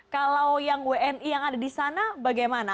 kalau yang wni yang ada di sana bagaimana